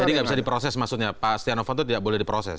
jadi nggak bisa diproses maksudnya pak sietono fanto tidak boleh diproses